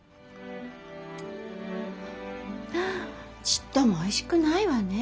ちっともおいしくないわね。